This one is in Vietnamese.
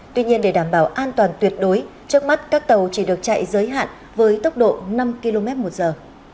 tuy nhiên để đảm bảo an toàn tuyệt đối trước mắt các tàu chỉ được chạy giới hạn với tốc độ năm km một giờ